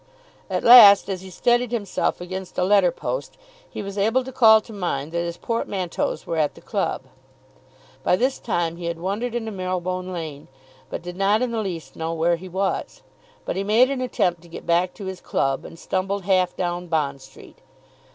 At last, as he steadied himself against a letter post, he was able to call to mind that his portmanteaus were at the club. By this time he had wandered into Marylebone Lane, but did not in the least know where he was. But he made an attempt to get back to his club, and stumbled half down Bond Street.